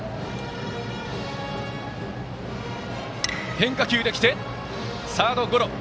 変化球で来てサードゴロ。